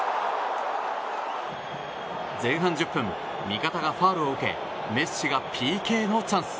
前半１０分味方がファウルを受けメッシがＰＫのチャンス。